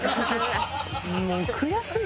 もう悔しい！